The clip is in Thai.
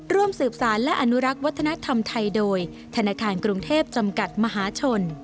ร่วมสืบสารและอนุรักษ์วัฒนธรรมไทยโดยธนาคารกรุงเทพจำกัดมหาชน